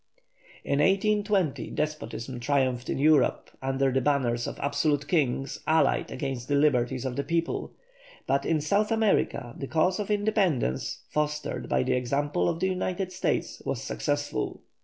In 1820 despotism triumphed in Europe under the banners of absolute kings allied against the liberties of the people, but in South America the cause of independence, fostered by the example of the United States, was successful.